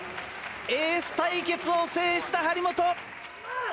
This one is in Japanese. エース対決を制した張本。